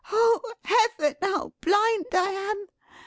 Oh Heaven, how blind I am!